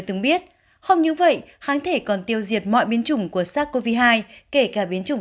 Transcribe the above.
từng biết không như vậy kháng thể còn tiêu diệt mọi biến chủng của sars cov hai kể cả biến chủng